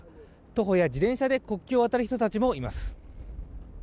徒歩や自転車で国境を渡る人たちもいます。